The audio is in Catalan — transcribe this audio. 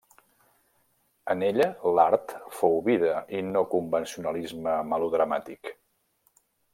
En ella l'art fou vida i no convencionalisme melodramàtic.